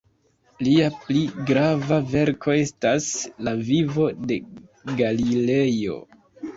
Lia pli grava verko estas "La vivo de Galilejo".